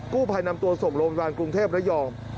กู้ภัยนำตัวส่งโรงพยาบาลกรุงเทพระยอง